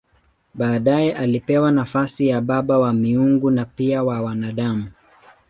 Baadaye alipewa nafasi ya baba wa miungu na pia wa wanadamu.